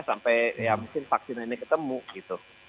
sampai ya mungkin vaksin ini ketemu gitu